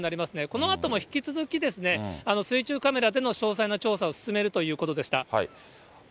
このあとも引き続きですね、水中カメラでの詳細な調査を進めるということでした。